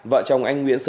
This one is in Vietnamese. vợ chồng anh nguyễn sơn